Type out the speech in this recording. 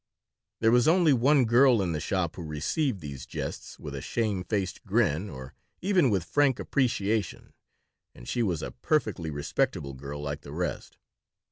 There was only one girl in the shop who received these jests with a shamefaced grin or even with frank appreciation, and she was a perfectly respectable girl like the rest.